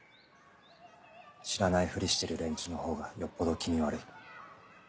知らないふりしてる連中のほうがよっぽど気味悪い。